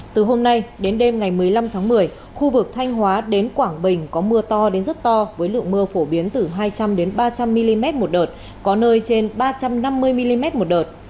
từ hôm nay đến đêm ngày một mươi năm tháng một mươi khu vực thanh hóa đến quảng bình có mưa to đến rất to với lượng mưa phổ biến từ hai trăm linh ba trăm linh mm một đợt có nơi trên ba trăm năm mươi mm một đợt